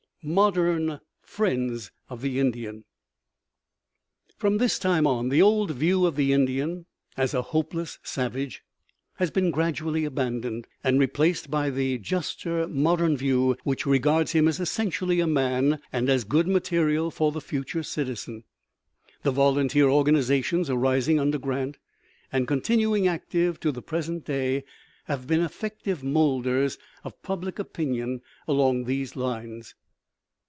MODERN "FRIENDS OF THE INDIAN" From this time on the old view of the Indian as a hopeless savage has been gradually abandoned, and replaced by the juster modern view which regards him as essentially a man, and as good material for the future citizen. The volunteer organizations arising under Grant and continuing active to the present day have been effective molders of public opinion along these lines.